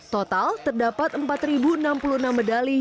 total terdapat empat enam puluh enam medali